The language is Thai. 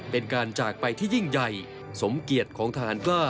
เป็นการจากไปที่ยิ่งใหญ่สมเกียรติของทหารกล้า